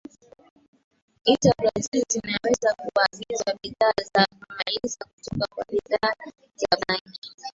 i za Brazil zinaweza kuagiza bidhaa za kumaliza kutoka kwa bidhaa za bangi